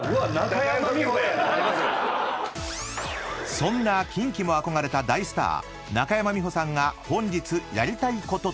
［そんなキンキも憧れた大スター中山美穂さんが本日やりたいこととは？］